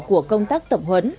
của công tác tập huấn